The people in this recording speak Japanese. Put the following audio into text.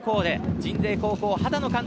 鎮西高校、畑野監督